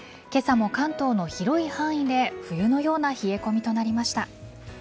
今朝も関東の広い範囲で冬のような冷え込みとなりました。